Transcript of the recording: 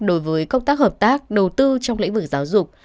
đối với công tác hợp tác đầu tư trong lĩnh vực giáo dục